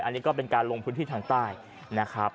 อันนี้ก็เป็นการลงพื้นที่ทางใต้นะครับ